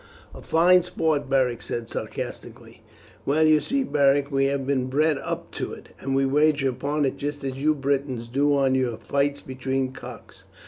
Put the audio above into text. "A fine sport," Beric said sarcastically. "Well, you see, Beric, we have been bred up to it, and we wager upon it just as you Britons do on your fights between cocks.